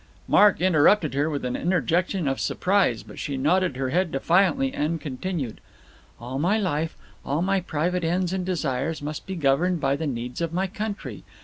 Mark interrupted her with an interjection of surprise, but she nodded her head defiantly, and continued: "All my life, all my private ends and desires must be governed by the needs of my country.